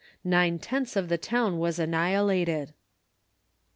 Nine tenths of the town was annihilated.